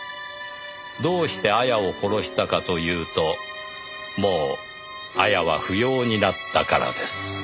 「どうして亞矢を殺したかというともう亞矢は不要になったからです」